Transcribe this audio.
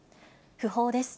訃報です。